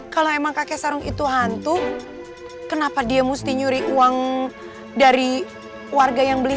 kalau emang kakek sarung itu hantu kenapa dia mesti nyuri uang dari warga yang beli